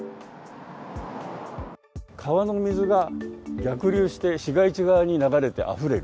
川の水が逆流して、市街地側に流れてあふれる。